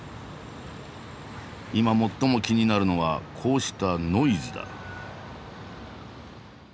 今最も気になるのはこうしたノイズだ。